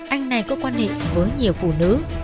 anh này có quan hệ với nhiều phụ nữ